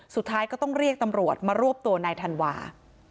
สุดท้ายก็ต้องเรียกตำรวจมารวบตัวนายธันวา